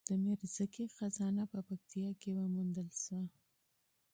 د میرزکې خزانه په پکتیا کې وموندل شوه